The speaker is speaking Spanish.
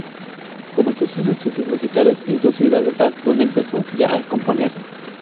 Comenzó sus estudios musicales en su ciudad natal donde empezó ya a componer.